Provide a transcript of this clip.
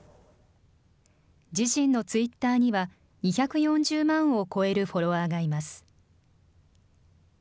自身のツイッターには、２４０万を超えるフォロワーがいます。